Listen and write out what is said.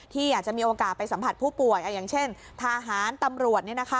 ที่อยากจะมีโอกาสไปสัมผัสผู้ป่วยอย่างเช่นทหารตำรวจ